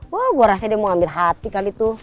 wah gua rasanya dia mau ngambil hati kali itu